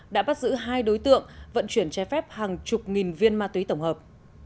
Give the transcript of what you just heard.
đã bắt giữ hai đối tượng vận chuyển trái phép hàng chục nghìn viên ma túy tổng hợp